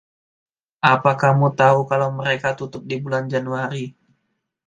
Apa kamu tahu kalau mereka tutup di bulan Januari?